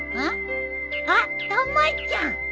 あったまちゃん。